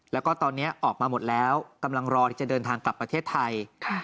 แล้วก็ตอนนี้ออกมาหมดแล้วกำลังรอที่จะเดินทางกลับประเทศไทย